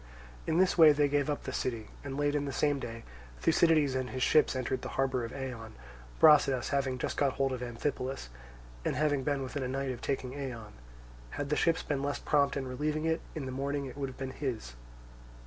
In this way they gave up the city, and late in the same day Thucydides and his ships entered the harbour of Eion, Brasidas having just got hold of Amphipolis, and having been within a night of taking Eion: had the ships been less prompt in relieving it, in the morning it would have been his.